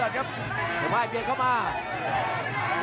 ต้องบอกว่าคนที่จะโชคกับคุณพลน้อยสภาพร่างกายมาต้องเกินร้อยครับ